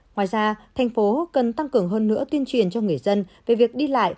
ngoài ra thành phố cần tăng cường hơn nữa tuyên truyền cho người dân về việc đi lại